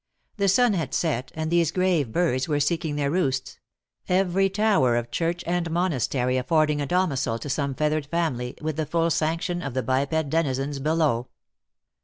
The sun had set, and these grave birds were seeking their roosts; every tower of church and monastery affording a domicil to some feathered family, with the full sanction of the biped denizens below.